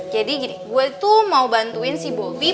jadi gini gua itu mau bantuin si bobi buat skripsinya